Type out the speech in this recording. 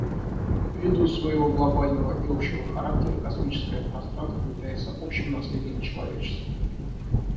Ввиду своего глобального и общего характера космическое пространство является общим наследием человечества.